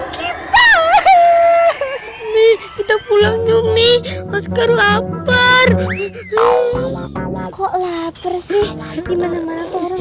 kita pulang yumi oscar lapar kok lapar sih